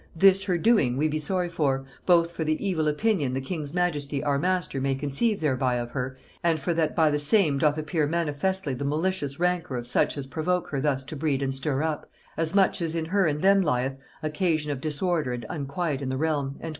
"This her doing we be sorry for, both for the evil opinion the king's majesty our master may conceive thereby of her, and for that by the same doth appear manifestly the malicious rancour of such as provoke her thus to breed and stir up, as much as in her and them lieth, occasion of disorder and unquiet in the realm" &c.